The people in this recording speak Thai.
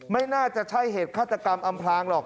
ไม่น่าจะใช่เหตุฆาตกรรมอำพลางหรอก